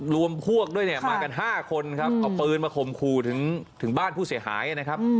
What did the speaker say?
ลวมพวกด้วยมากันห้าคนเอาปืนมาขมขู่ถึงบ้านผู้เสียหายนะครับ